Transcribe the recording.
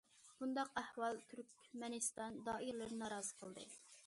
بۇنداق ئەھۋال تۈركمەنىستان دائىرىلىرىنى نارازى قىلدى.